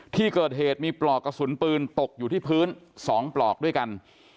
ที่เกิดเหตุมีปลอกกระสุนปืนตกอยู่ที่พื้น๒ปลอกด้วยกัน